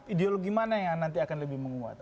ideologi mana yang nanti akan lebih menguat